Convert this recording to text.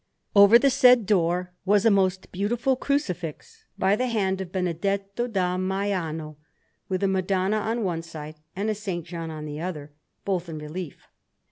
Over the said door was a most beautiful Crucifix by the hand of Benedetto da Maiano, with a Madonna on one side and a S. John on the other, both in relief.